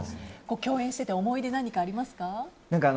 共演してて思い出何かありますか。